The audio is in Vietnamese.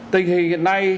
tình hình hiện nay